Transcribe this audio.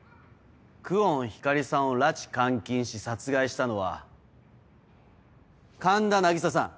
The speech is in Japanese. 久遠光莉さんを拉致監禁し殺害したのは神田凪沙さん。